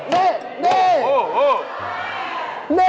นี่นี่นี่